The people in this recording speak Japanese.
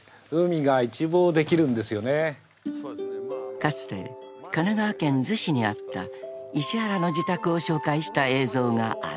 ［かつて神奈川県逗子にあった石原の自宅を紹介した映像がある］